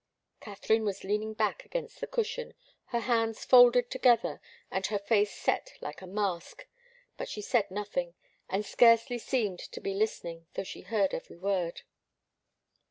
Katharine was leaning back against the cushion, her hands folded together, and her face set like a mask; but she said nothing, and scarcely seemed to be listening, though she heard every word.